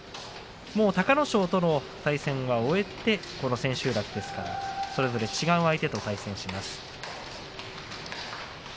もう隆の勝との対戦は終えてこの千秋楽ですがそれぞれ違う相手と対戦します。